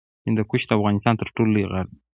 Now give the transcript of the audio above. هندوکش د افغانستان تر ټولو لوی غر دی